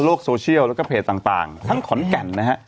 โซเชียลแล้วก็เพจต่างทั้งขอนแก่นนะฮะ